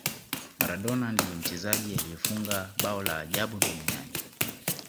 maradona ndiye mchezaji aliyefunga bao la ajabu duniani